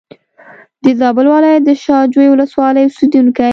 د زابل ولایت د شا جوی ولسوالۍ اوسېدونکی.